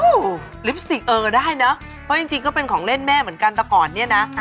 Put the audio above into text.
โอ้โหลิปสติกเออได้เนอะเพราะจริงก็เป็นของเล่นแม่เหมือนกันแต่ก่อนเนี่ยนะ